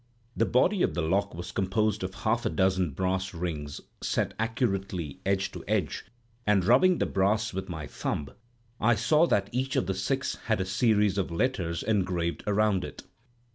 The body of the lock was composed of half a dozen brass rings, set accurately edge to edge; and, rubbing the brass with my thumb, I saw that each of the six had a series of letters engraved around it.